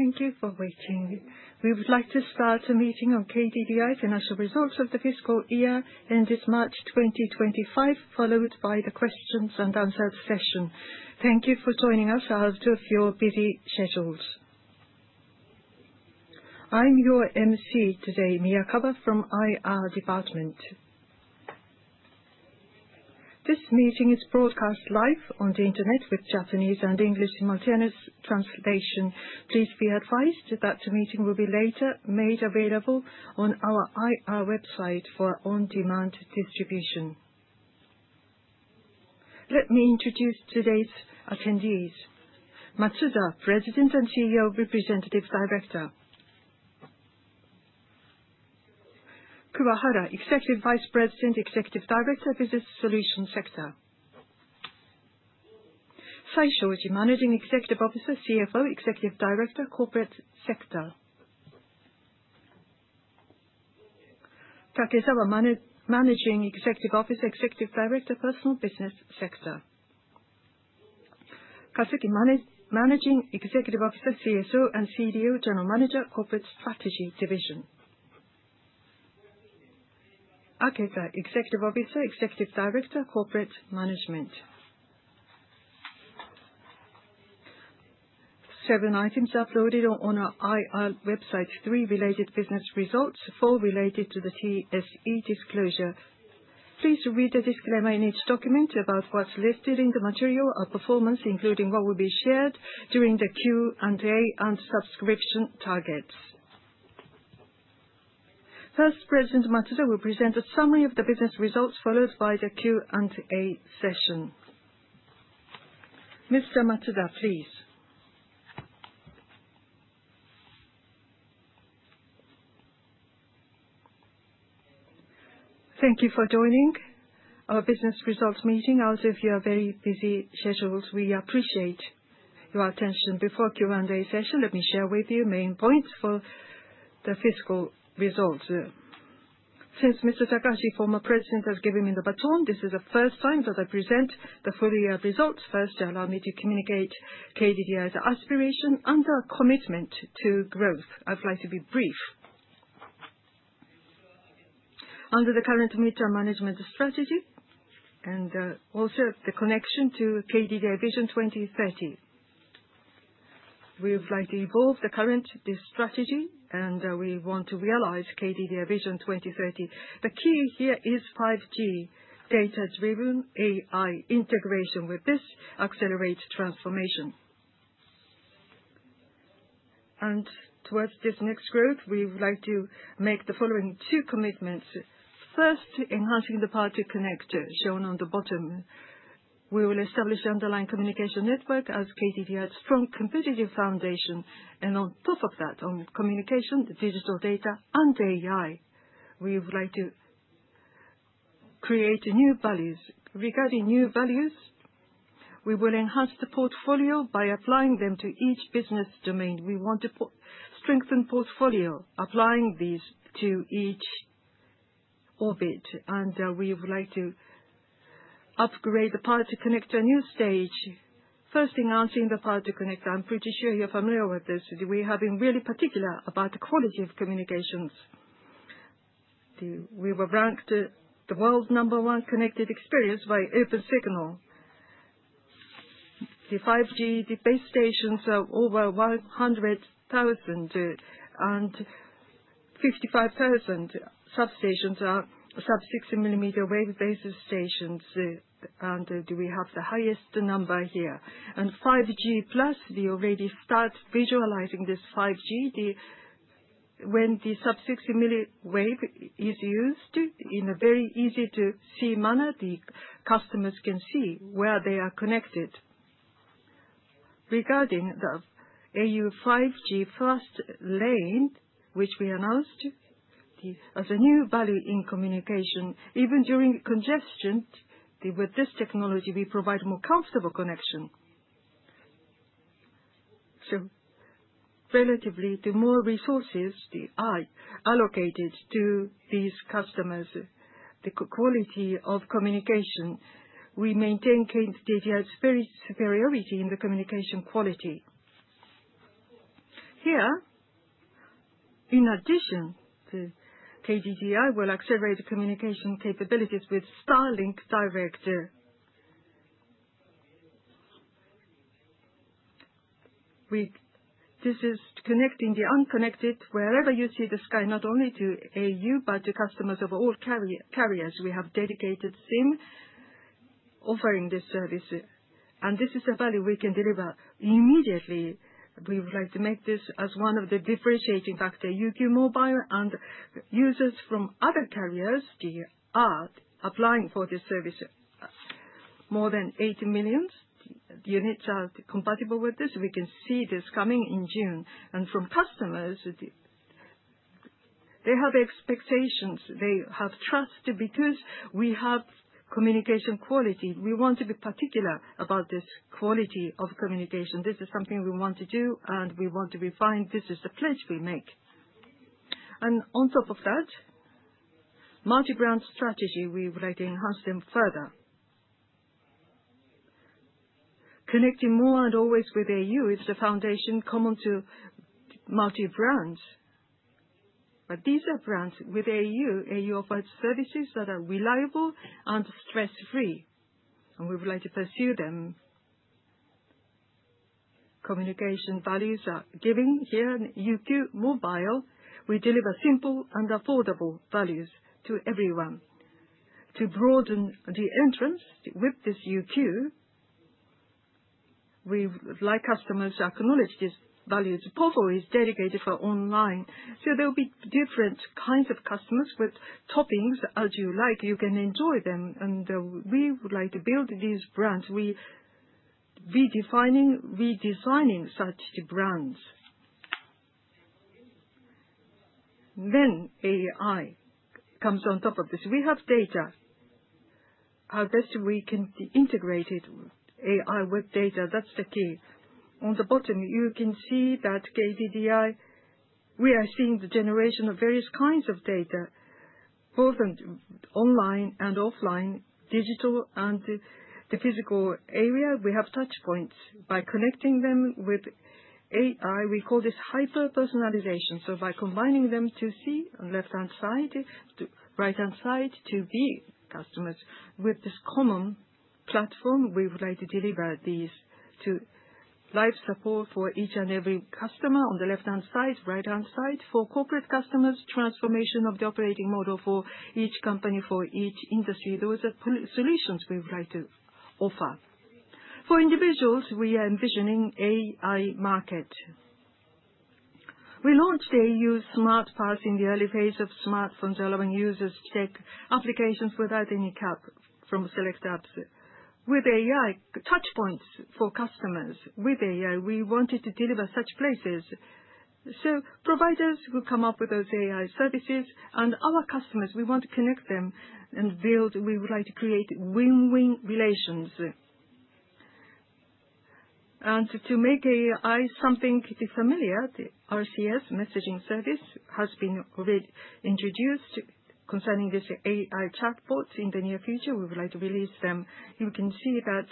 Thank you for waiting. We would like to start the meeting of KDDI financial results of the fiscal year ended March 2025, followed by the questions and answer session. Thank you for joining us out of your busy schedules. I'm your emcee today, Miyakawa from IR Department. This meeting is broadcast live on the internet with Japanese and English simultaneous translation. Please be advised that the meeting will be later made available on our IR website for on-demand distribution. Let me introduce today's attendees. Matsuda, President and CEO, Representative Director. Kawahara, Executive Vice President, Executive Director, Business Solution Sector. Saisho, Managing Executive Officer, CFO, Executive Director, Corporate Sector. Takesawa, Managing Executive Officer, CSO and CDO, General Manager, Corporate Strategy Division. Aketa, Executive Officer, Executive Director, Corporate Management. Seven items uploaded on our IR website, three related business results, four related to the TSE disclosure. Please read the disclaimer in each document about what's listed in the material or performance, including what will be shared during the Q&A and subscription targets. First, President Matsuda will present a summary of the business results, followed by the Q&A session. Mr. Matsuda, please. Thank you for joining our business results meeting out of your very busy schedules. We appreciate your attention. Before Q&A session, let me share with you main points for the fiscal results. Since Mr. Takahashi, former president, has given me the baton, this is the first time that I present the full year results. First, allow me to communicate KDDI's aspiration and our commitment to growth. I'd like to be brief. Under the current mid-term management strategy, also the connection to KDDI VISION 2030. We would like to evolve the current strategy, we want to realize KDDI VISION 2030. The key here is 5G data-driven AI integration. With this, accelerate transformation. Towards this next growth, we would like to make the following two commitments. First, enhancing the power to connect, shown on the bottom. We will establish underlying communication network as KDDI's strong competitive foundation, on top of that, on communication, digital data, and AI, we would like to create new values. Regarding new values, we will enhance the portfolio by applying them to each business domain. We want to strengthen portfolio, applying these to each orbit. We would like to upgrade the power to connect new stage. First, enhancing the power to connect. I'm pretty sure you're familiar with this. We have been really particular about the quality of communications. We were ranked the world's number one connected experience by Opensignal. The 5G base stations are over 100,000, 55,000 substations are sub-6 and millimeter wave base stations, we have the highest number here. 5G Plus, we already start visualizing this 5G. When the sub-6 and millimeter wave is used in a very easy-to-see manner, the customers can see where they are connected. Regarding the au 5G Fast Lane, which we announced as a new value in communication. Even during congestion, with this technology, we provide more comfortable connection. Relatively, the more resources are allocated to these customers, the quality of communication. We maintain KDDI's superiority in the communication quality. Here, in addition, KDDI will accelerate the communication capabilities with Starlink Direct. This is connecting the unconnected wherever you see the sky, not only to au, but to customers of all carriers. We have dedicated SIM offering this service. This is a value we can deliver immediately. We would like to make this as one of the differentiating factor. UQ mobile and users from other carriers are applying for this service. More than 80 million units are compatible with this. We can see this coming in June. From customers, they have expectations. They have trust because we have communication quality. We want to be particular about this quality of communication. This is something we want to do, and we want to refine. This is a pledge we make. On top of that, multi-brand strategy, we would like to enhance them further. Connecting more and always with au is the foundation common to multi-brands. These are brands with au. Au offers services that are reliable and stress-free, and we would like to pursue them. Communication values are giving. Here in UQ mobile, we deliver simple and affordable values to everyone. To broaden the entrance with this UQ, we would like customers to acknowledge these values. povo is dedicated for online. There will be different kinds of customers with toppings as you like. You can enjoy them, and we would like to build these brands. Redesigning such brands. AI comes on top of this. We have data. How best we can integrate AI with data, that's the key. On the bottom, you can see that KDDI, we are seeing the generation of various kinds of data, both online and offline, digital and the physical area. We have touch points. By connecting them with AI, we call this hyper-personalization. By combining them to see, on left-hand side, to right-hand side, to be customers. With this common platform, we would like to deliver these to life support for each and every customer on the left-hand side, right-hand side. For corporate customers, transformation of the operating model for each company, for each industry. Those are solutions we would like to offer. For individuals, we are envisioning AI market. We launched au Smart Pass in the early phase of smartphones, allowing users to take applications without any cap from select apps. With AI, touch points for customers. With AI, we wanted to deliver such places. Providers who come up with those AI services and our customers, we want to connect them and build. We would like to create win-win relations. To make AI something familiar, the RCS messaging service has been introduced concerning this AI chatbot. In the near future, we would like to release them. You can see that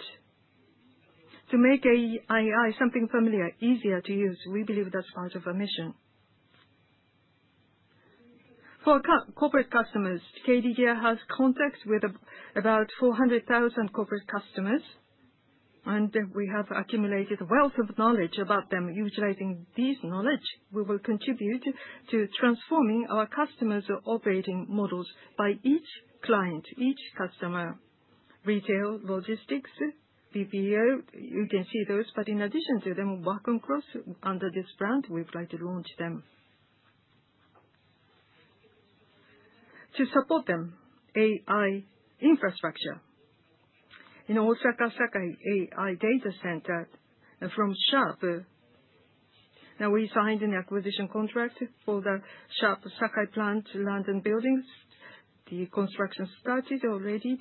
to make AI something familiar, easier to use, we believe that's part of our mission. For corporate customers, KDDI has contacts with about 400,000 corporate customers. We have accumulated a wealth of knowledge about them. Utilizing this knowledge, we will contribute to transforming our customers' operating models by each client, each customer. Retail, logistics, BPO, you can see those. In addition to them, Work & Cross, under this brand, we would like to launch them. To support them, AI infrastructure. In Osaka Sakai AI Data Center from Sharp, we signed an acquisition contract for the Sharp Sakai plant land and buildings. The construction started already.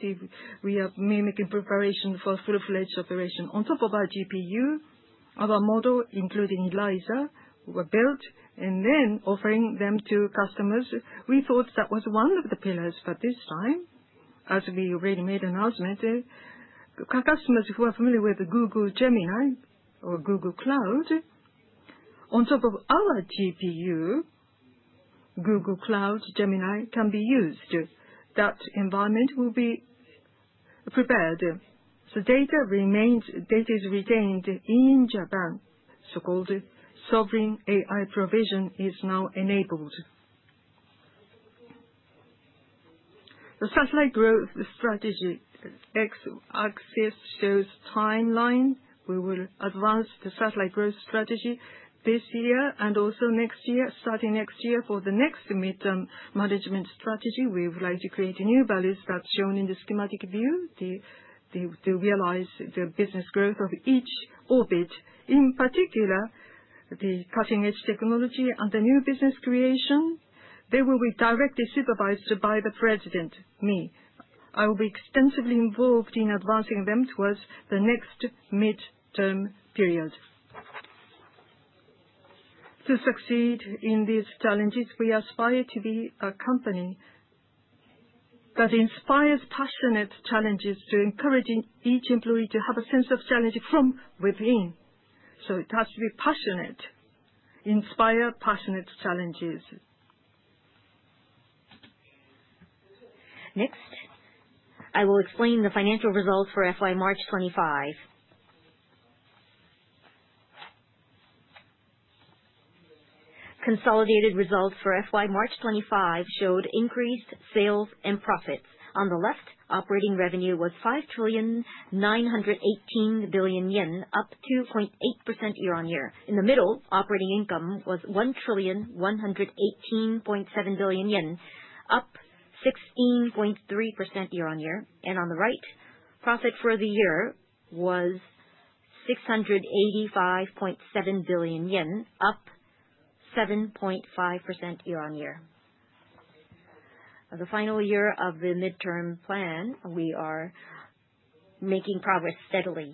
We are making preparation for full-fledged operation. On top of our GPU, our model, including ELYZA, were built, offering them to customers. We thought that was one of the pillars, this time, as we already made announcement, customers who are familiar with Google Gemini or Google Cloud, on top of our GPU, Google Cloud Gemini can be used. That environment will be prepared. Data is retained in Japan, so-called sovereign AI provision is now enabled. The Satellite Growth Strategy. X-axis shows timeline. We will advance the Satellite Growth Strategy this year and also next year. Starting next year for the next mid-term management strategy, we would like to create new values that's shown in the schematic view to realize the business growth of each orbit. In particular, the cutting-edge technology and the new business creation, they will be directly supervised by the President, me. I will be extensively involved in advancing them towards the next mid-term period. To succeed in these challenges, we aspire to be a company that inspires passionate challenges to encouraging each employee to have a sense of challenge from within. It has to be passionate, inspire passionate challenges. Next, I will explain the financial results for FY 2025. Consolidated results for FY 2025 showed increased sales and profits. On the left, operating revenue was 5 trillion, 918 billion, up 2.8% year-on-year. In the middle, operating income was 1 trillion, 118.7 billion, up 16.3% year-on-year. On the right, profit for the year was 685.7 billion yen, up 7.5% year-on-year. The final year of the mid-term plan, we are making progress steadily.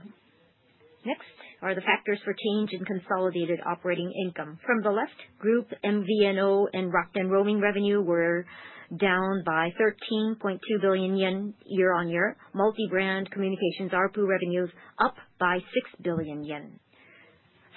Next are the factors for change in consolidated operating income. From the left group, MVNO and Roam and roaming revenue were down by 13.2 billion yen year-on-year. Multi-brand communications ARPU revenues up by 6 billion yen.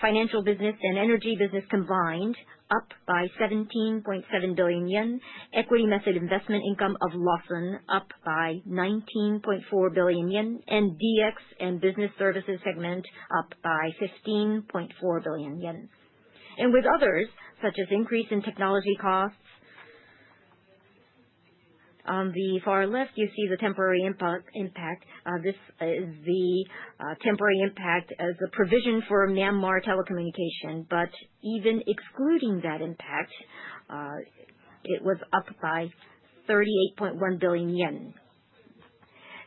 Financial business and energy business combined up by 17.7 billion yen. Equity method investment income of Lawson up by 19.4 billion yen, DX and business services segment up by 15.4 billion yen. With others, such as increase in technology costs. On the far left, you see the temporary impact. This is the temporary impact as a provision for Myanmar telecommunication. Even excluding that impact, it was up by 38.1 billion yen.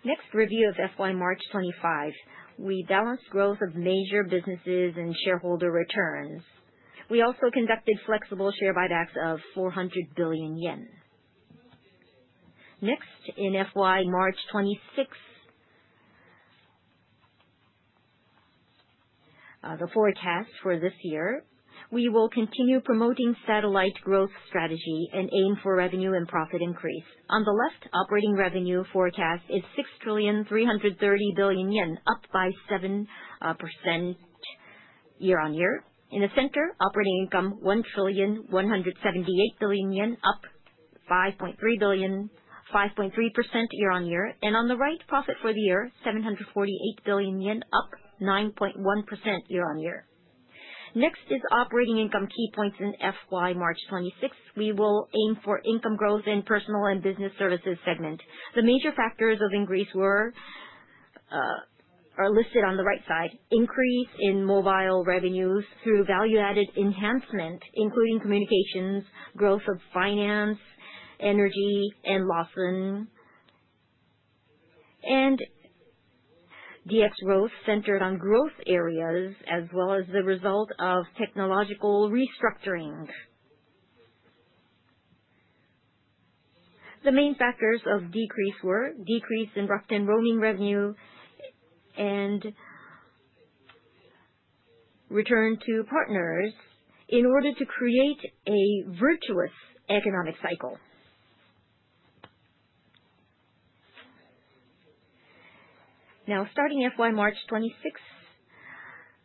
Next, review of FY 2025. We balanced growth of major businesses and shareholder returns. We also conducted flexible share buybacks of 400 billion yen. Next, in FY 2026. The forecast for this year, we will continue promoting Satellite Growth Strategy and aim for revenue and profit increase. On the left, operating revenue forecast is 6,330 billion yen, up by 7% year-on-year. In the center, operating income, 1,178 billion yen, up 5.3% year-on-year. On the right, profit for the year, 748 billion yen, up 9.1% year-on-year. Next is operating income key points in FY 2026. We will aim for income growth in Personal and Business Services segment. The major factors of increase are listed on the right side. Increase in mobile revenues through value-added enhancement, including communications, growth of finance, energy, and Lawson. DX growth centered on growth areas, as well as the result of technological restructuring. The main factors of decrease were decrease in Rakuten roaming revenue and return to partners in order to create a virtuous economic cycle. Starting FY March 2026,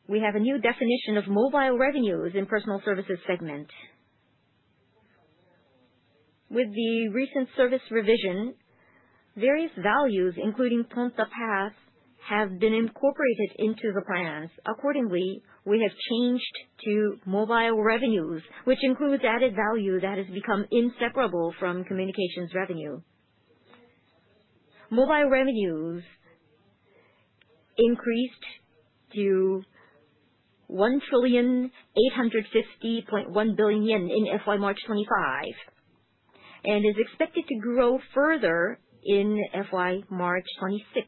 we have a new definition of mobile revenues in Personal Services segment. With the recent service revision, various values, including Ponta Pass, have been incorporated into the plans. Accordingly, we have changed to mobile revenues, which includes added value that has become inseparable from communications revenue. Mobile revenues increased to 1,850.1 billion yen in FY March 2025, and is expected to grow further in FY March 2026.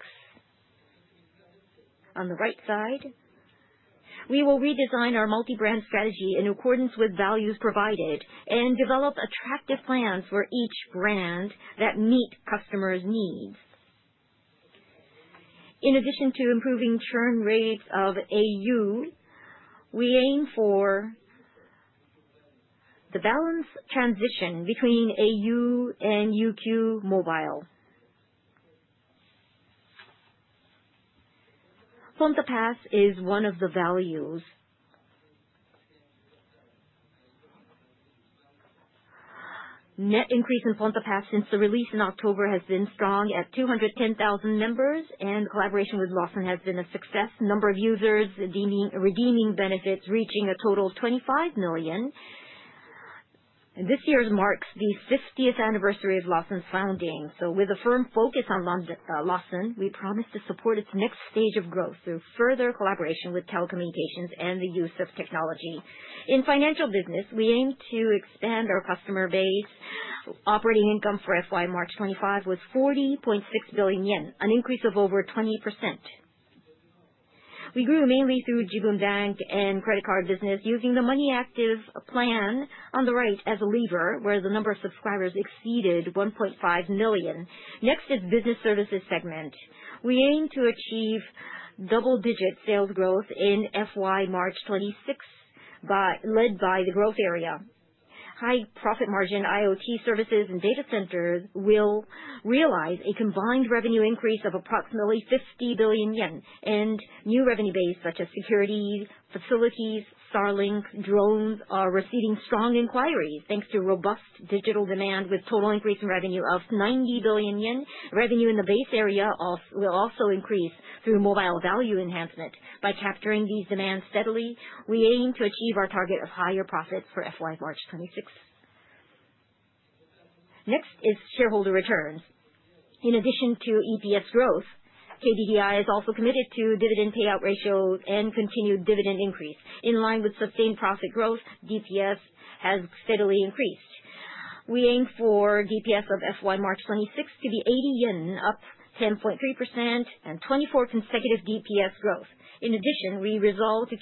On the right side, we will redesign our multi-brand strategy in accordance with values provided and develop attractive plans for each brand that meet customers' needs. In addition to improving churn rates of au, we aim for the balance transition between au and UQ mobile. Ponta Pass is one of the values. Net increase in Ponta Pass since the release in October has been strong at 210,000 members, and collaboration with Lawson has been a success. Number of users redeeming benefits reaching a total of 25 million. This year marks the 50th anniversary of Lawson's founding. With a firm focus on Lawson, we promise to support its next stage of growth through further collaboration with telecommunications and the use of technology. In financial business, we aim to expand our customer base. Operating income for FY March 2025 was 40.6 billion yen, an increase of over 20%. We grew mainly through Jibun Bank and credit card business using the au Money Activity Plan on the right as a lever, where the number of subscribers exceeded 1.5 million. Next is Business Services segment. We aim to achieve double-digit sales growth in FY March 2026, led by the growth area. High profit margin IoT services and data centers will realize a combined revenue increase of approximately 50 billion yen. New revenue base such as securities, facilities, Starlink, drones, are receiving strong inquiries thanks to robust digital demand with total increase in revenue of 90 billion yen. Revenue in the base area will also increase through mobile value enhancement. By capturing these demands steadily, we aim to achieve our target of higher profits for FY March 2026. Next is shareholder returns. In addition to EPS growth, KDDI is also committed to dividend payout ratio and continued dividend increase. In line with sustained profit growth, DPS has steadily increased. We aim for DPS of FY March 2026 to be 80 yen, up 10.3%, and 24 consecutive DPS growth. In addition, we resolve to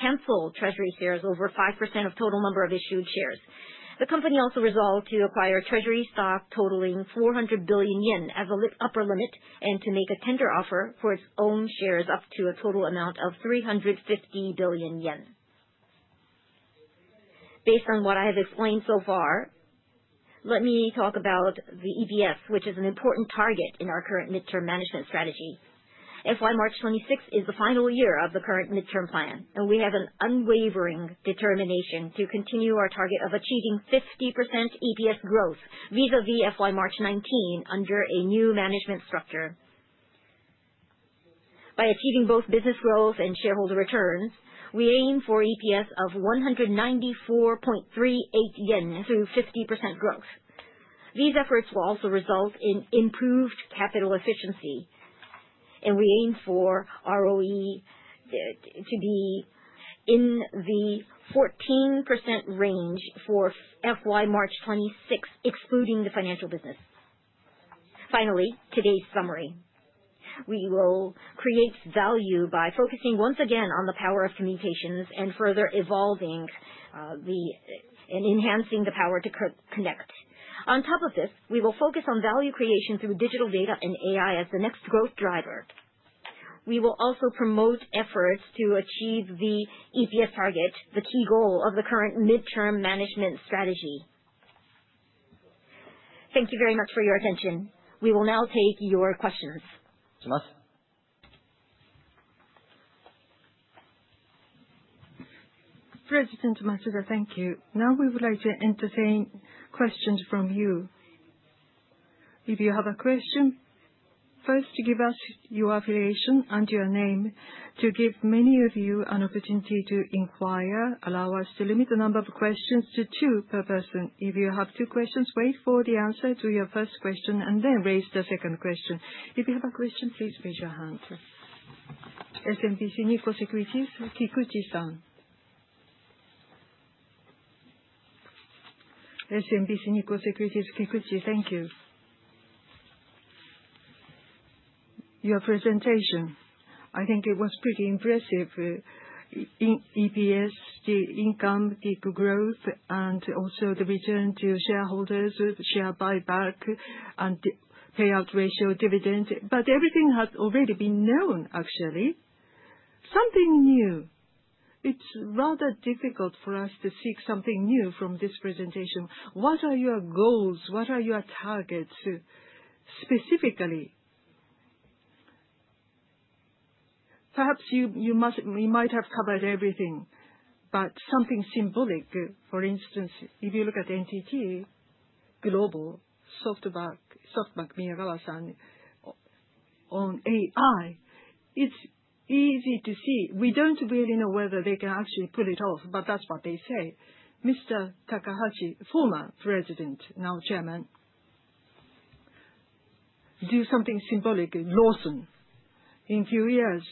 cancel treasury shares over 5% of total number of issued shares. The company also resolved to acquire treasury stock totaling 400 billion yen as an upper limit, and to make a tender offer for its own shares up to a total amount of 350 billion yen. Based on what I have explained so far, let me talk about the EPS, which is an important target in our current midterm management strategy. FY March 2026 is the final year of the current midterm plan, and we have an unwavering determination to continue our target of achieving 50% EPS growth vis-a-vis FY March 2019 under a new management structure. By achieving both business growth and shareholder returns, we aim for EPS of 194.38 yen through 50% growth. These efforts will also result in improved capital efficiency, and we aim for ROE to be in the 14% range for FY March 2026, excluding the financial business. Finally, today's summary. We will create value by focusing once again on the power of communications and further evolving and enhancing the power to connect. On top of this, we will focus on value creation through digital data and AI as the next growth driver. We will also promote efforts to achieve the EPS target, the key goal of the current midterm management strategy. Thank you very much for your attention. We will now take your questions. President Matsuda, thank you. Now we would like to entertain questions from you. If you have a question, first give us your affiliation and your name. To give many of you an opportunity to inquire, allow us to limit the number of questions to two per person. If you have two questions, wait for the answer to your first question and then raise the second question. If you have a question, please raise your hand. SMBC Nikko Securities Inc., Satoru-san. SMBC Nikko Securities Inc., Satoru, thank you. Your presentation, I think it was pretty impressive. EPS, the income, the growth, and also the return to shareholders, share buyback, and payout ratio dividend. Everything has already been known, actually. Something new. It's rather difficult for us to seek something new from this presentation. What are your goals? What are your targets, specifically? Perhaps you might have covered everything, but something symbolic. For instance, if you look at NTT, SoftBank, Minagawa-san on AI, it's easy to see. We don't really know whether they can actually pull it off, but that's what they say. Mr. Takahashi, former President, now Chairman, do something symbolic in Lawson. In a few years'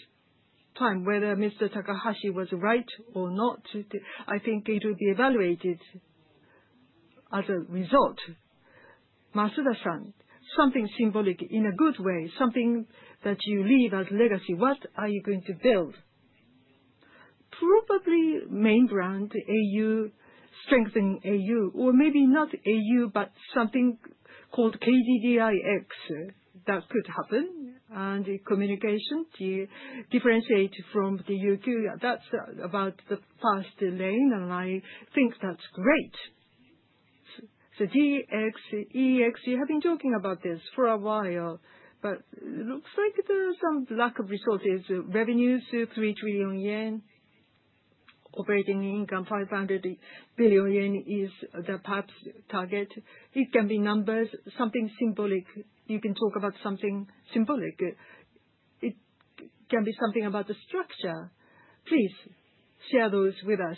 time, whether Mr. Takahashi was right or not, I think it will be evaluated as a result. Matsuda-san, something symbolic in a good way, something that you leave as a legacy. What are you going to build? Probably main brand au, strengthen au, or maybe not au, but something called KDDI X. That could happen. Communication to differentiate from the Y!mobile. That's about the au 5G Fast Lane, and I think that's great. DX, EX, you have been talking about this for a while, but looks like there's some lack of results. Revenues, 3 trillion yen. Operating income, 500 billion yen is the perhaps target. It can be numbers, something symbolic. You can talk about something symbolic. It can be something about the structure. Please share those with us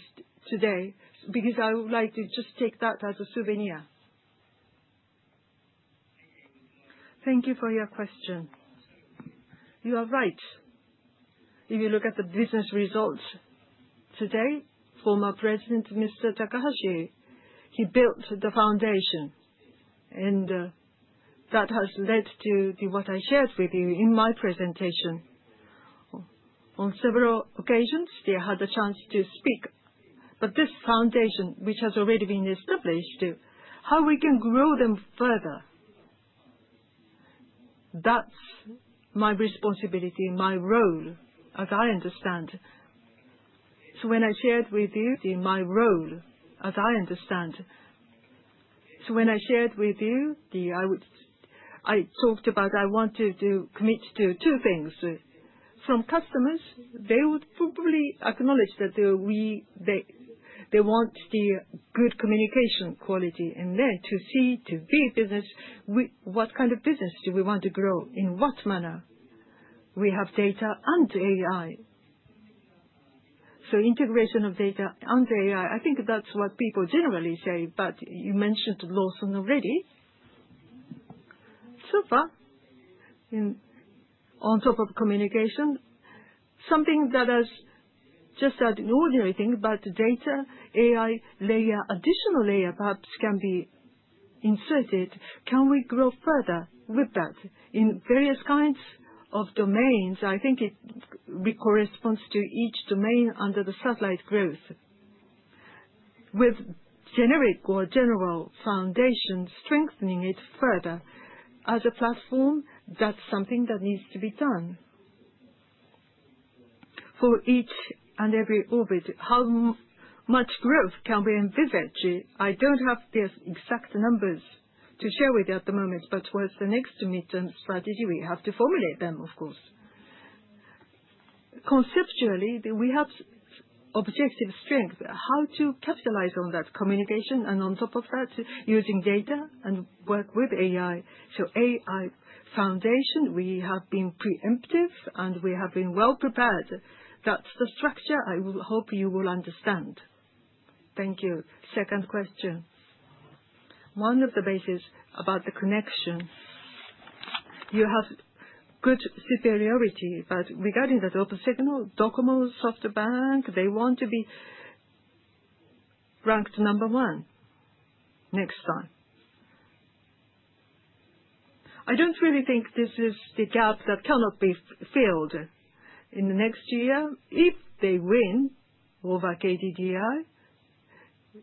today, because I would like to just take that as a souvenir. Thank you for your question. You are right. If you look at the business results today, former President Mr. Takahashi, he built the foundation, and that has led to what I shared with you in my presentation. On several occasions, they had the chance to speak. This foundation, which has already been established, how we can grow them further? That's my responsibility, my role, as I understand. When I shared with you, I talked about I want to commit to two things. From customers, they would probably acknowledge that they want the good communication quality, and then to C2B business, what kind of business do we want to grow, in what manner? We have data and AI. Integration of data and AI, I think that's what people generally say, but you mentioned Lawson already. Super. On top of communication, something that is just ordinary thing, but data, AI layer, additional layer perhaps can be inserted, can we grow further with that in various kinds of domains? I think it corresponds to each domain under the Satellite Growth. With generic or general foundation, strengthening it further as a platform, that's something that needs to be done. For each and every orbit, how much growth can we envisage? I don't have the exact numbers to share with you at the moment, but what's the next mid-term strategy? We have to formulate them, of course. Conceptually, we have objective strength. How to capitalize on that communication, and on top of that, using data and work with AI. AI foundation, we have been preemptive, and we have been well-prepared. That's the structure I hope you will understand. Thank you. Second question. One of the bases about the connection, you have good superiority, but regarding the Opensignal, DOCOMO, SoftBank, they want to be ranked number one next time. I don't really think this is the gap that cannot be filled. In the next year, if they win over KDDI,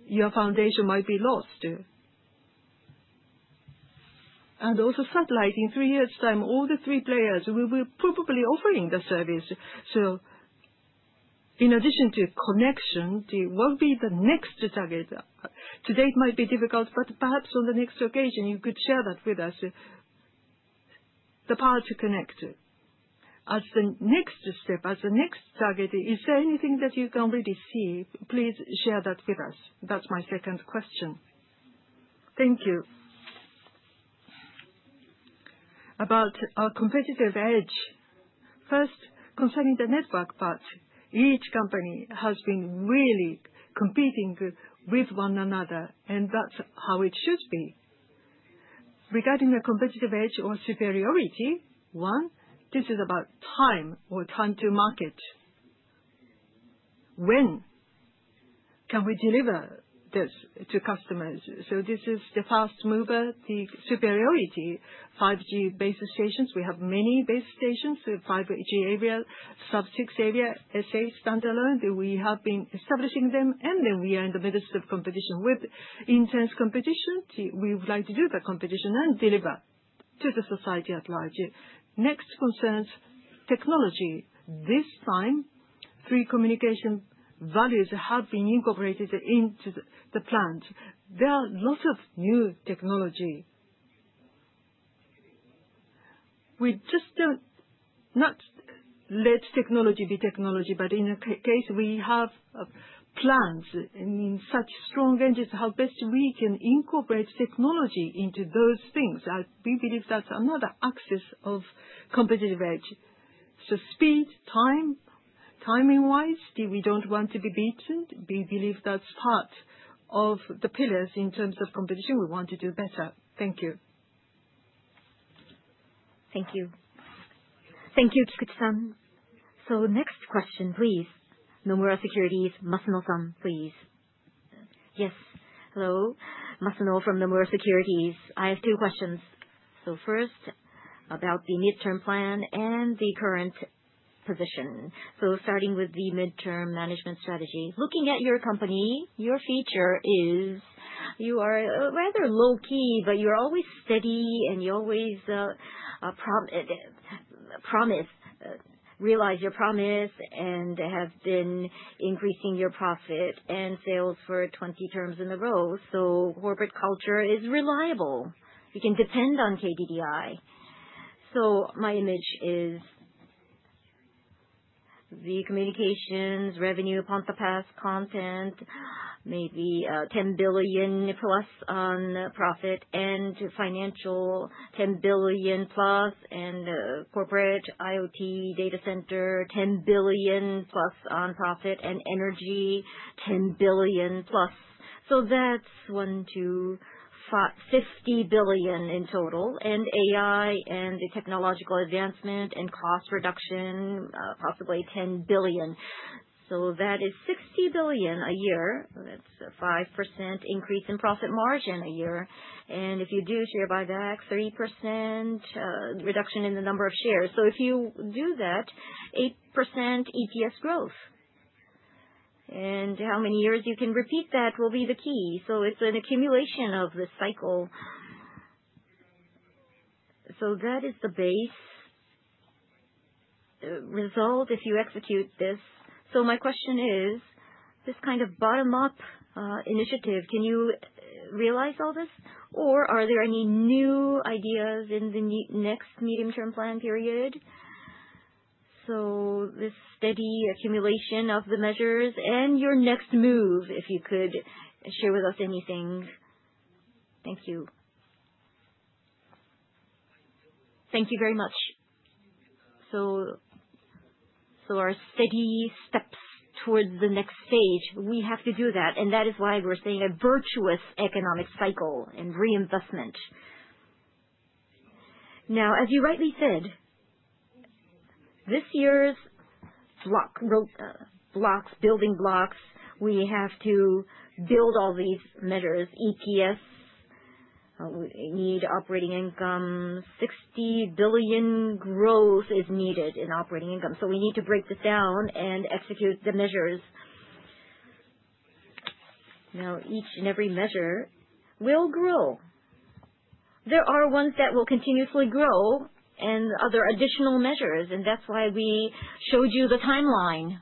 your foundation might be lost. Also satellite, in three years' time, all the three players will be probably offering the service. In addition to connection, what will be the next target? To date it might be difficult, but perhaps on the next occasion you could share that with us. The Power to Connect. As the next step, as the next target, is there anything that you can already see? Please share that with us. That's my second question. Thank you. About our competitive edge. First, concerning the network part, each company has been really competing with one another, and that's how it should be. Regarding a competitive edge or superiority, one, this is about time or time to market. When can we deliver this to customers? This is the fast mover, the superiority. 5G base stations, we have many base stations, 5G area, sub-6 area, SA, standalone, we have been establishing them, and then we are in the midst of competition. With intense competition, we would like to do that competition and deliver to the society at large. Next concerns technology. This time, three communication values have been incorporated into the plans. There are lots of new technology. We just don't, not let technology be technology, but in a case we have plans in such strong ranges, how best we can incorporate technology into those things. We believe that's another axis of competitive edge. Speed, time, timing-wise, we don't want to be beaten. We believe that's part of the pillars in terms of competition. We want to do better. Thank you. Thank you. Thank you, Satoru-san. Next question, please. Nomura Securities, Masano-san, please. Yes. Hello. Masano from Nomura Securities. I have two questions. First, about the midterm plan and the current position. Starting with the midterm management strategy. Looking at your company, your feature is you are rather low-key, but you're always steady and you always realize your promise and have been increasing your profit and sales for 20 terms in a row. Corporate culture is reliable. We can depend on KDDI. My image is the communications revenue upon the PaaS content, maybe 10 billion plus on profit and financial 10 billion plus and corporate IoT data center, 10 billion plus on profit and energy, 10 billion plus. That's one, two 50 billion in total, and AI and the technological advancement and cost reduction, possibly 10 billion. That is 60 billion a year. That's a 5% increase in profit margin a year. And if you do share buyback, 3% reduction in the number of shares. If you do that, 8% EPS growth. And how many years you can repeat that will be the key. It's an accumulation of the cycle. That is the base result if you execute this. My question is, this kind of bottom-up initiative, can you realize all this? Or are there any new ideas in the next medium-term plan period? This steady accumulation of the measures and your next move, if you could share with us anything. Thank you. Thank you very much. Our steady steps towards the next stage, we have to do that, and that is why we are saying a virtuous economic cycle and reinvestment. As you rightly said, this year's building blocks, we have to build all these measures. EPS, we need operating income, 60 billion growth is needed in operating income. We need to break this down and execute the measures. Each and every measure will grow. There are ones that will continuously grow and other additional measures, and that is why we showed you the timeline.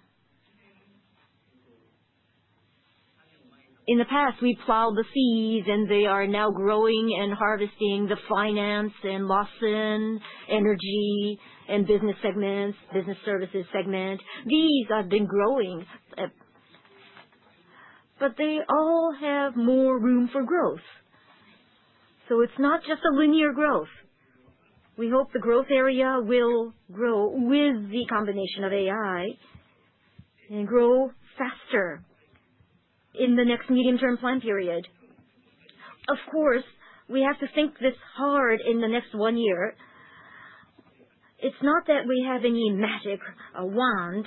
In the past, we plowed the seeds, and they are now growing and harvesting the finance and Lawson energy and business segments, business services segment. These have been growing. They all have more room for growth. It is not just a linear growth. We hope the growth area will grow with the combination of AI, and grow faster in the next medium-term plan period. Of course, we have to think this hard in the next one year. It is not that we have any magic wand.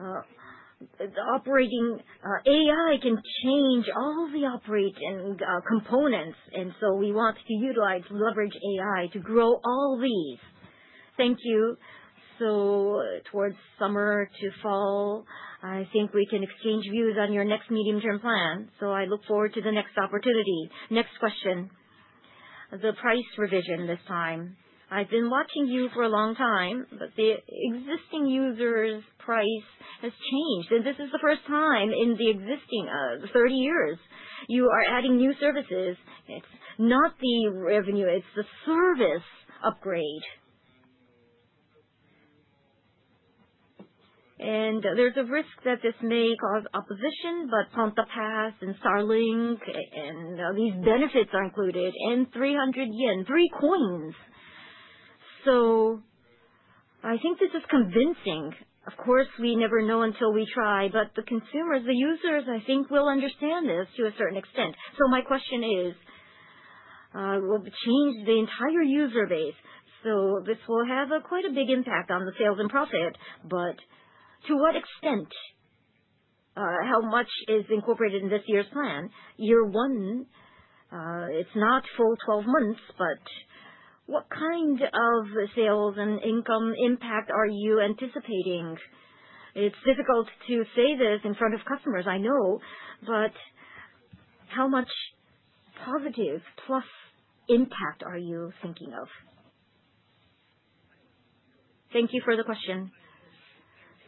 AI can change all the operating components, so we want to utilize and leverage AI to grow all these. Thank you. Towards summer to fall, I think we can exchange views on your next medium-term plan. I look forward to the next opportunity. Next question. The price revision this time. I have been watching you for a long time, but the existing users' price has changed, and this is the first time in the existing 30 years. You are adding new services. It is not the revenue, it is the service upgrade. And there is a risk that this may cause opposition, but Ponta Pass and Starlink, and these benefits are included in 300 yen, three coins. I think this is convincing. Of course, we never know until we try, but the consumers, the users, I think, will understand this to a certain extent. My question is, will it change the entire user base? This will have quite a big impact on the sales and profit, but to what extent? How much is incorporated in this year's plan? Year one, it is not full 12 months, but what kind of sales and income impact are you anticipating? It is difficult to say this in front of customers, I know, but how much positive, plus impact are you thinking of? Thank you for the question.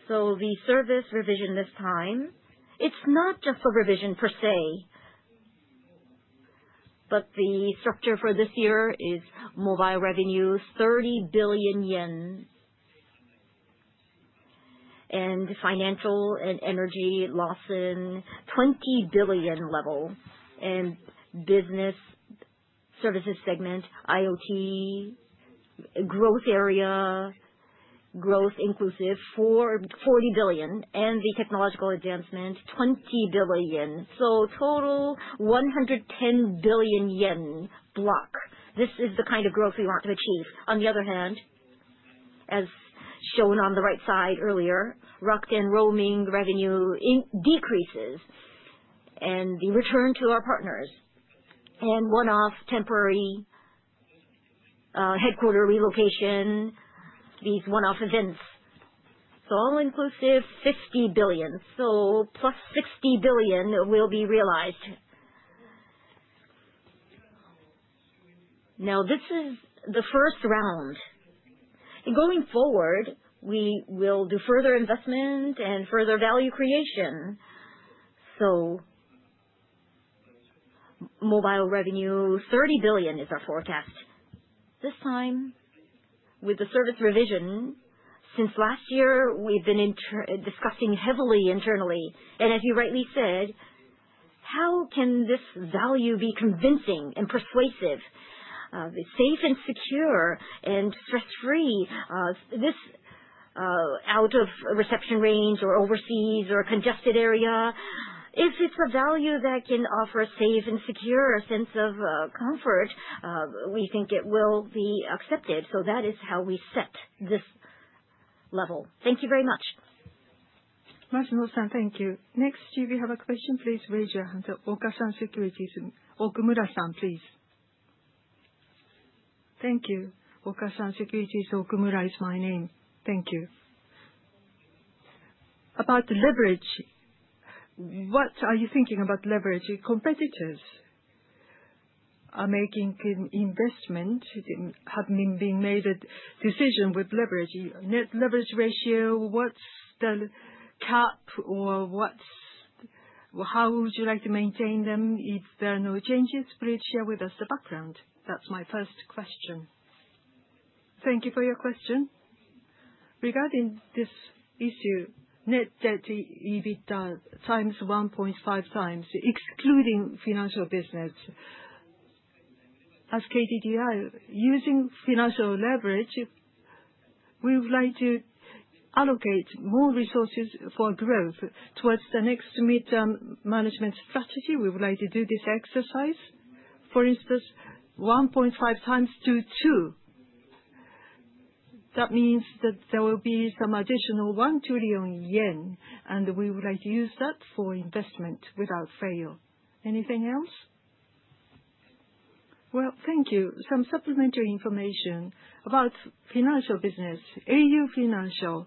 The service revision this time, it is not just a revision per se, but the structure for this year is mobile revenue, 30 billion yen. Financial and energy, Lawson, 20 billion level, business services segment, IoT, growth area, growth inclusive, 40 billion, the technological advancement, 20 billion. Total 110 billion yen block. This is the kind of growth we want to achieve. On the other hand, as shown on the right side earlier, Rakuten roaming revenue decreases, the return to our partners, one-off temporary headquarter relocation, these one-off events. All inclusive, 60 billion. +60 billion will be realized. This is the first round. Going forward, we will do further investment and further value creation. Mobile revenue, 30 billion is our forecast. This time with the service revision, since last year, we've been discussing heavily internally, as you rightly said, how can this value be convincing and persuasive? Safe and secure, for free, out of reception range or overseas or a congested area. If it's a value that can offer a safe and secure sense of comfort, we think it will be accepted. That is how we set this level. Thank you very much. Mashimo-san, thank you. Do we have a question? Please raise your hand. Okasan Securities, Yusuke-san, please. Thank you. Okasan Securities, Yusuke is my name. Thank you. About leverage. What are you thinking about leverage? Your competitors are making investment, have been made a decision with leverage. Net leverage ratio, what's the cap or how would you like to maintain them? If there are no changes, please share with us the background. That's my first question. Thank you for your question. Regarding this issue, net debt to EBITDA 1.5x, excluding financial business. As KDDI, using financial leverage We would like to allocate more resources for growth towards the next midterm management strategy. We would like to do this exercise. For instance, 1.5 times to two. That means that there will be some additional 1 trillion yen, and we would like to use that for investment without fail. Anything else? Thank you. Some supplementary information about financial business. au Financial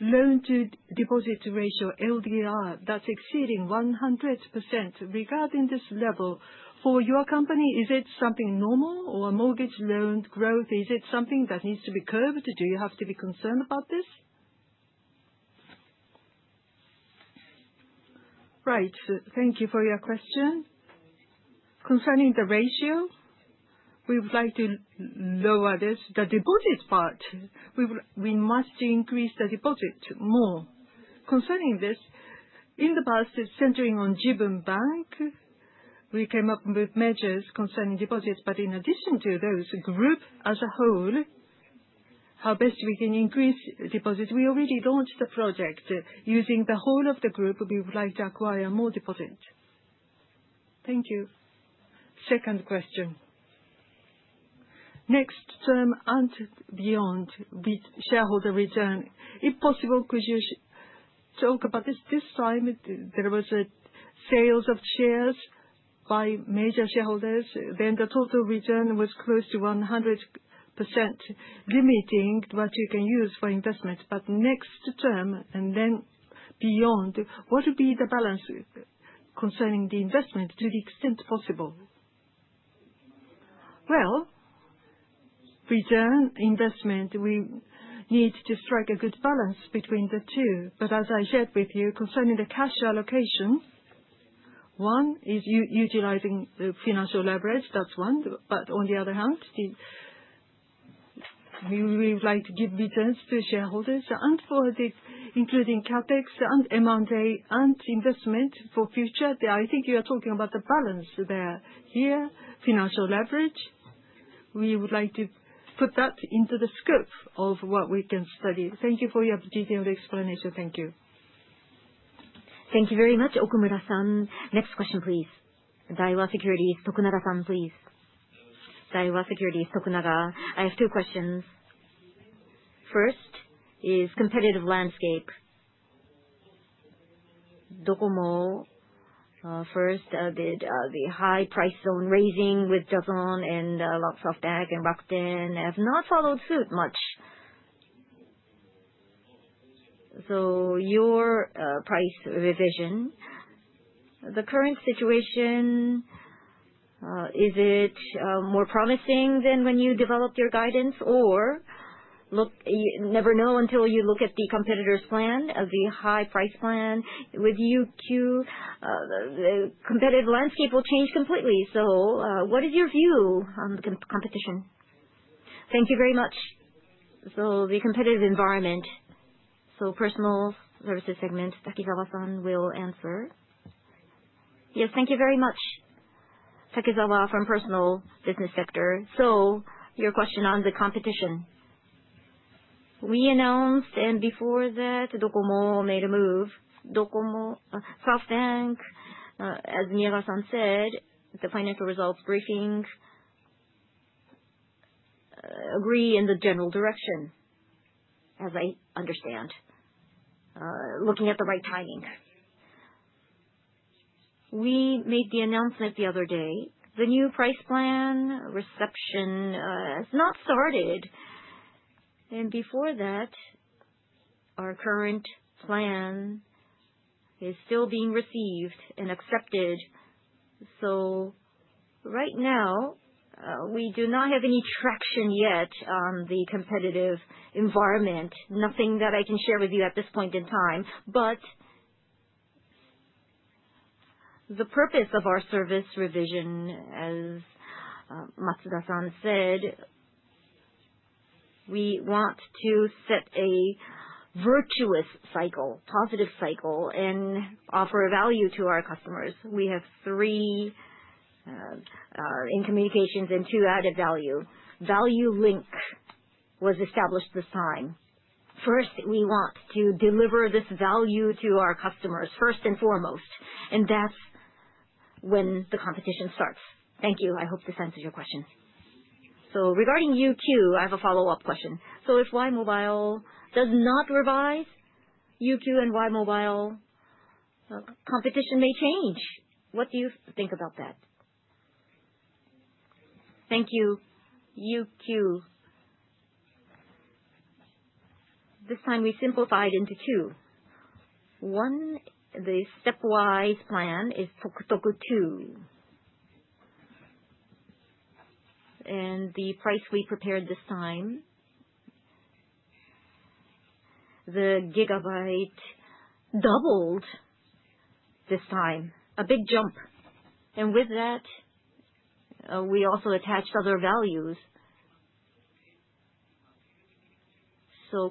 loan-to-deposit ratio, LDR, that's exceeding 100%. Regarding this level, for your company, is it something normal? Or mortgage loan growth, is it something that needs to be curbed? Do you have to be concerned about this? Thank you for your question. Concerning the ratio, we would like to lower this. The deposit part, we must increase the deposit more. Concerning this, in the past, centering on Jibun Bank, we came up with measures concerning deposits. In addition to those, group as a whole, how best we can increase deposits. We already launched the project. Using the whole of the group, we would like to acquire more deposits. Thank you. Second question. Next term and beyond the shareholder return. If possible, could you talk about this? This time, there was a sales of shares by major shareholders, the total return was close to 100%, limiting what you can use for investment. Next term and beyond, what would be the balance concerning the investment to the extent possible? Return, investment, we need to strike a good balance between the two. As I shared with you, concerning the cash allocation, one is utilizing the financial leverage. That's one. On the other hand, we would like to give returns to shareholders. For this, including CapEx and M&A and investment for future, I think you are talking about the balance there. Here, financial leverage, we would like to put that into the scope of what we can study. Thank you for your detailed explanation. Thank you. Thank you very much, Okumura-san. Next question, please. Daiwa Securities, Tokunaga-san, please. Daiwa Securities, Tokunaga. I have two questions. First is competitive landscape. DOCOMO, first, did the high price zone raising with JASON and SoftBank and Rakuten have not followed suit much. Your price revision, the current situation, is it more promising than when you developed your guidance? Never know until you look at the competitor's plan of the high price plan? With UQ, the competitive landscape will change completely. What is your view on the competition? Thank you very much. The competitive environment, Personal Services segment, Takizawa-san will answer. Yes, thank you very much. Takizawa from Personal Business Sector. Your question on the competition. We announced, and before that, DOCOMO made a move. SoftBank, as Miura-san said at the financial results briefing, agree in the general direction, as I understand, looking at the right timing. We made the announcement the other day. The new price plan reception has not started. Before that, our current plan is still being received and accepted. Right now, we do not have any traction yet on the competitive environment, nothing that I can share with you at this point in time. The purpose of our service revision, as Matsuda-san said, we want to set a virtuous cycle, positive cycle, and offer value to our customers. We have three in communications and two added value. Value Link was established this time. First, we want to deliver this value to our customers, first and foremost, and that's when the competition starts. Thank you. I hope this answers your question. Regarding UQ, I have a follow-up question. If Y!mobile does not revise, UQ and Y!mobile competition may change. What do you think about that? Thank you. UQ. This time, we simplified into two. One, the stepwise plan is Tokutoku Plan 2. The price we prepared this time, the gigabyte doubled this time, a big jump. With that, we also attached other values.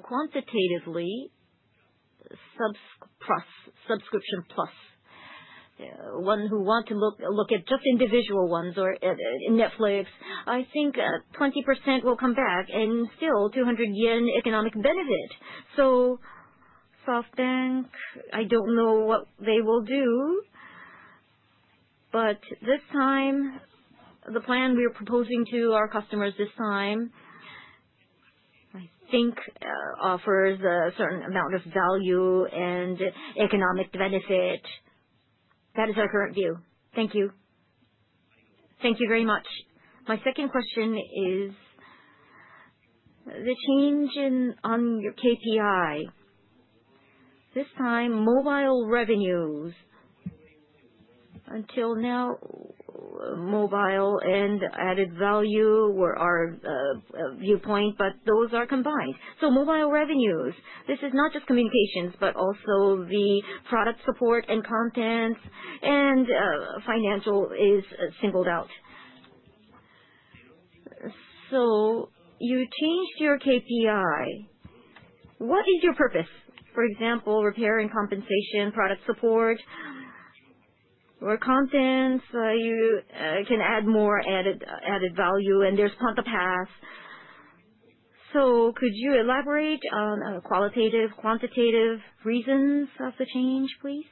Quantitatively, Subscription Plus Points. One who want to look at just individual ones or Netflix, I think 20% will come back and still 200 yen economic benefit. SoftBank, I don't know what they will do, but this time, the plan we are proposing to our customers this time, I think, offers a certain amount of value and economic benefit. That is our current view. Thank you. Thank you very much. My second question is the change on your KPI. This time, mobile revenues. Until now, mobile and added value were our viewpoint, but those are combined. Mobile revenues, this is not just communications, but also the product support and content, and financial is singled out. You changed your KPI. What is your purpose? For example, repair and compensation, product support, or content. You can add more added value and there's Ponta Pass. Could you elaborate on qualitative, quantitative reasons of the change, please?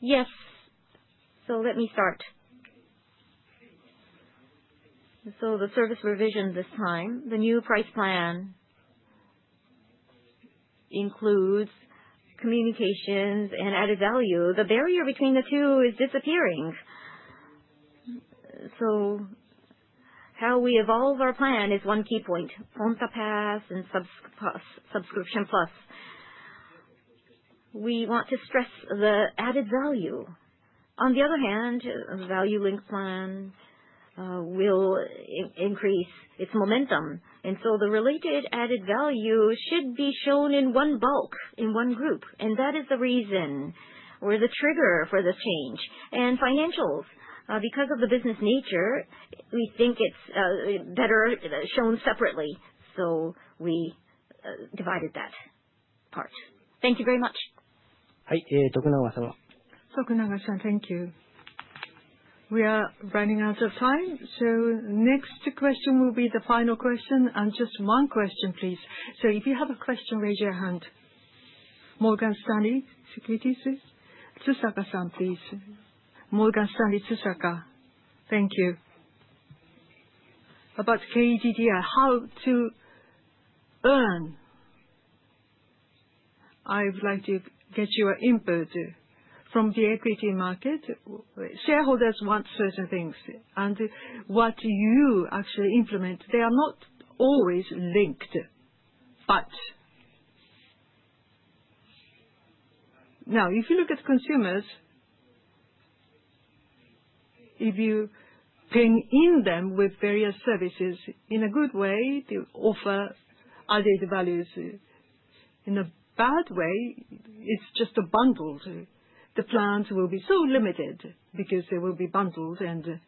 Yes. Let me start. The service revision this time, the new price plan includes communications and added value. The barrier between the two is disappearing. How we evolve our plan is one key point. Ponta Pass and Subscription Plus. We want to stress the added value. On the other hand, Value Link Plan will increase its momentum. The related added value should be shown in one bulk, in one group, and that is the reason or the trigger for this change. Financials, because of the business nature, we think it's better shown separately. We divided that part. Thank you very much. Tokunaga-san, thank you. We are running out of time, next question will be the final question and just one question, please. If you have a question, raise your hand. Morgan Stanley Securities. Susaka-san, please. Morgan Stanley, Susaka. Thank you. About KDDI, how to earn. I would like to get your input. From the equity market, shareholders want certain things and what you actually implement, they are not always linked. Now, if you look at consumers, if you bring in them with various services in a good way to offer added values. In a bad way, it's just a bundle. The plans will be so limited because they will be bundled, and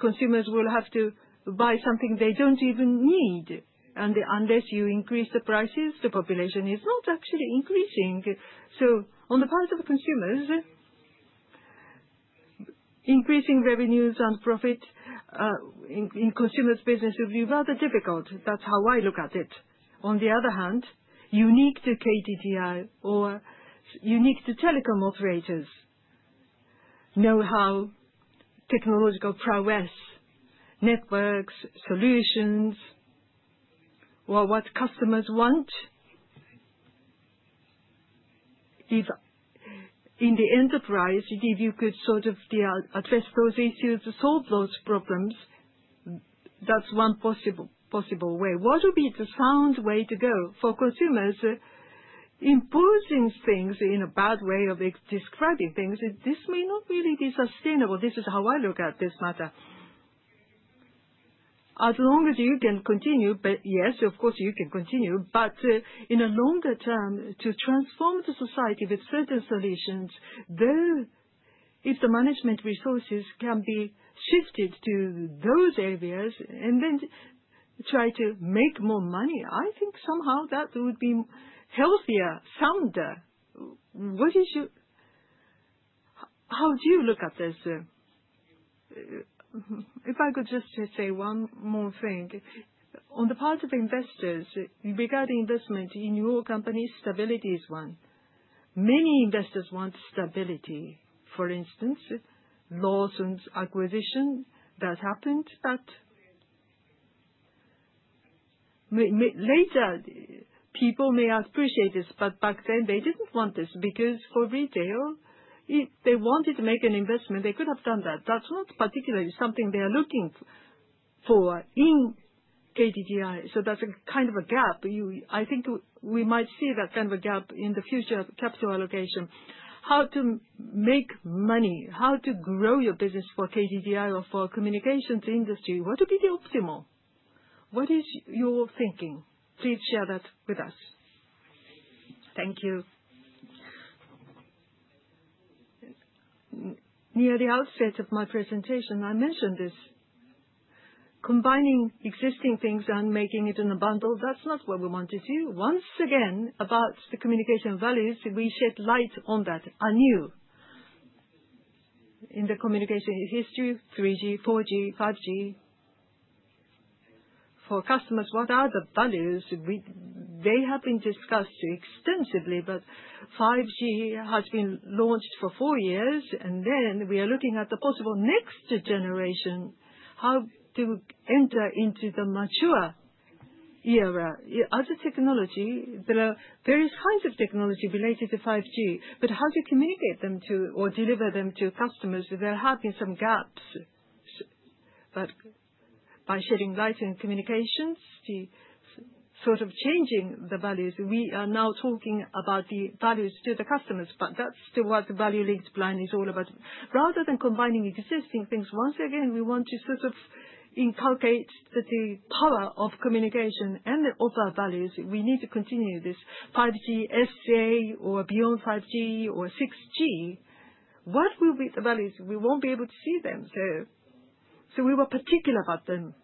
consumers will have to buy something they don't even need. Unless you increase the prices, the population is not actually increasing. On the part of consumers, increasing revenues and profit, in consumers business will be rather difficult. That's how I look at it. On the other hand, unique to KDDI or unique to telecom operators, know-how, technological prowess, networks, solutions, or what customers want. If in the enterprise, if you could address those issues to solve those problems, that's one possible way. What would be the sound way to go for consumers? Imposing things in a bad way of describing things, this may not really be sustainable. This is how I look at this matter. As long as you can continue, but yes, of course, you can continue. In a longer term, to transform the society with certain solutions, though, if the management resources can be shifted to those areas and then try to make more money, I think somehow that would be healthier, sounder. How do you look at this? If I could just say one more thing. On the part of investors, regarding investment in your company, stability is one. Many investors want stability. For instance, Lawson's acquisition, that happened, but later, people may appreciate this, but back then, they didn't want this because for retail, if they wanted to make an investment, they could have done that. That's not particularly something they are looking for in KDDI. That's a kind of a gap. I think we might see that kind of a gap in the future capital allocation. How to make money, how to grow your business for KDDI or for communications industry. What would be the optimal? What is your thinking? Please share that with us. Thank you. Near the outset of my presentation, I mentioned this. Combining existing things and making it in a bundle, that's not what we want to do. Once again, about the communication values, we shed light on that anew. In the communication history, 3G, 4G, 5G. For customers, what are the values? They have been discussed extensively, but 5G has been launched for 4 years, and then we are looking at the possible next generation, how to enter into the mature era. As a technology, there are various kinds of technology related to 5G, but how to communicate them to or deliver them to customers, there have been some gaps. By shedding light on communications, sort of changing the values, we are now talking about the values to the customers. That's what the au Value Link Plan is all about. Rather than combining existing things, once again, we want to sort of inculcate the power to connect and the other values. We need to continue this 5G-A or beyond 5G or 6G. What will be the values? We won't be able to see them. We were particular about them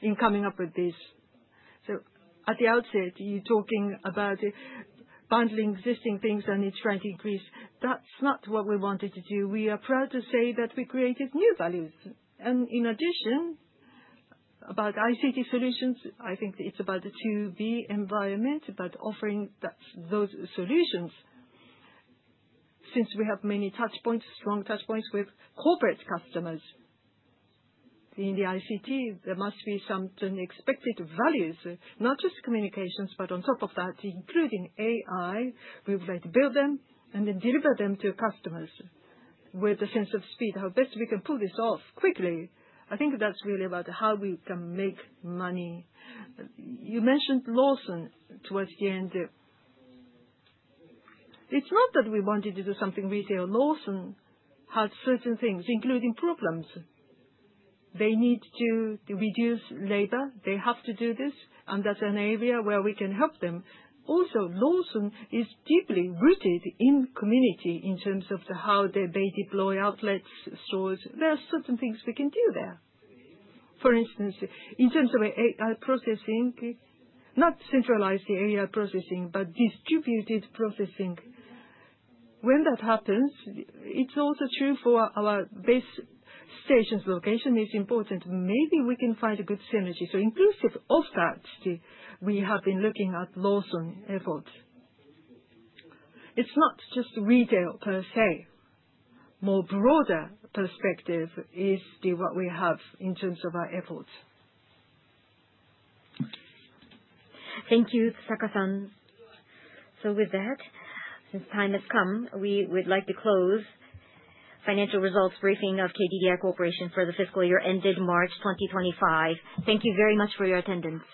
in coming up with this. At the outset, you're talking about bundling existing things and it's trying to increase. That's not what we wanted to do. We are proud to say that we created new values. In addition, about ICT solutions, I think it's about the To Be environment, about offering those solutions. Since we have many touch points, strong touch points with corporate customers. In the ICT, there must be some unexpected values, not just communications, but on top of that, including AI. We would like to build them, deliver them to customers with a sense of speed, how best we can pull this off quickly. I think that's really about how we can make money. You mentioned Lawson towards the end. It's not that we wanted to do something retail. Lawson has certain things, including problems. They need to reduce labor. They have to do this, and that's an area where we can help them. Also, Lawson is deeply rooted in community in terms of how they deploy outlets, stores. There are certain things we can do there. For instance, in terms of AI processing, not centralizing AI processing, but distributed processing. When that happens, it's also true for our base stations. Location is important. Maybe we can find a good synergy. Inclusive of that, we have been looking at Lawson efforts. It's not just retail per se. More broader perspective is what we have in terms of our efforts. Thank you, Saka-san. With that, since time has come, we would like to close financial results briefing of KDDI Corporation for the fiscal year ended March 2025. Thank you very much for your attendance.